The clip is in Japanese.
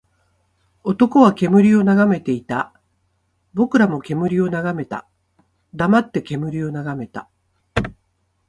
男は煙を眺めていた。僕らも煙を眺めた。黙って煙を眺めた。